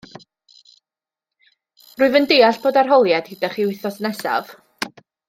Rwyf yn deall bod arholiad gyda chi wythnos nesaf